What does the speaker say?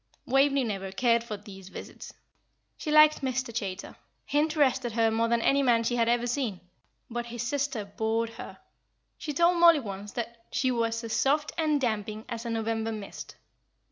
Waveney never cared for these visits. She liked Mr. Chaytor he interested her more than any man she had ever seen; but his sister bored her. She told Mollie once that "she was as soft and damping as a November mist."